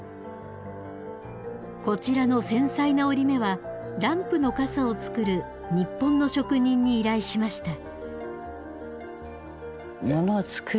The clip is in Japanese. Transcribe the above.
こちらの繊細な織り目はランプの傘を作る日本の職人に依頼しました。